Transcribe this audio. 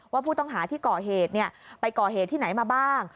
ว่าผู้ต้องหาที่ก่อเหตุไปก่อเหตุที่ไหนมาบ้าง